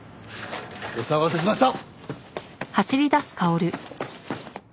お騒がせしました！